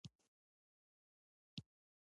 دښمن د تنقید له شا برید کوي